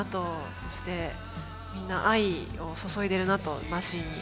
そしてみんな愛を注いでるなとマシンに。